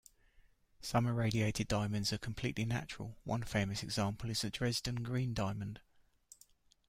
Some irradiated diamonds are completely natural; one famous example is the Dresden Green Diamond.